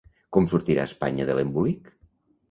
’Com sortirà Espanya de l’embolic?